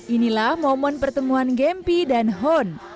inilah momen pertemuan gempi dan hon